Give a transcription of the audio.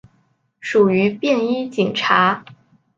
属于便衣警察。